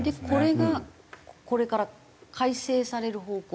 これがこれから改正される方向？